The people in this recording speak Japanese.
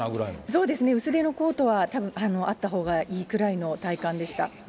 そうですね、薄手のコートはたぶん、あったほうがいいくらいの体感でした。